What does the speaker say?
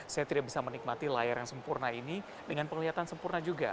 saya tidak bisa menikmati layar yang sempurna ini dengan penglihatan sempurna juga